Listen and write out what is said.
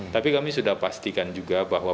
tapi kami sudah pastikan juga bahwa